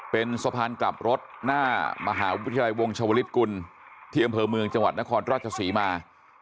เป็นสะพานกลับรถหน้ามหาวิทยาลัยวงชวลิศกุลที่อำเภอเมืองจังหวัดนครราชศรีมา